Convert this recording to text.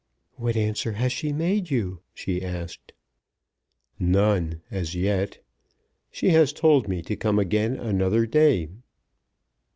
"What answer has she made you?" she asked. "None; as yet! She has told me to come again another day."